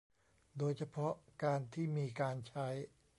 โดยเฉพาะการที่มีการใช้